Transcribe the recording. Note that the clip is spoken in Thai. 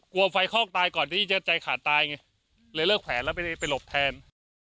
กลัวไฟคอกตายก่อนที่จะใจขาดตายไงเลยเลิกแขวนแล้วไปหลบแทน